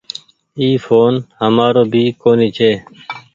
اي ڦون همآرو ڀي ڪونيٚ ڇي ۔